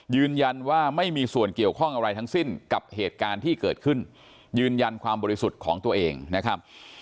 ยืนยันว่าไม่มีส่วนเกี่ยวข้องอะไรทั้งสิ้นกับเหตุการณ์ที่เกิดขึ้นยืนยันความบริสุทธิ์ของตัวเองนะครับ